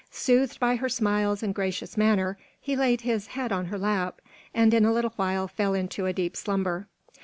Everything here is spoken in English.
Soothed by her smiles and gracious manner, he laid his head on her lap, and in a little while fell into a deep slumber.